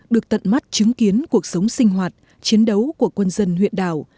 được tận mắt chứng kiến cuộc sống sinh hoạt chiến đấu của quân dân huyện đảo